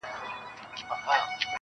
که آرام غواړې، د ژوند احترام وکړه.